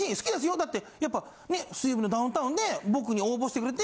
だってやっぱねっ『水曜日のダウンタウン』で僕に応募してくれて。